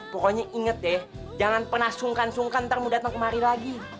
pokoknya inget deh jangan pernah sungkan sungkan ntar mau datang kemari lagi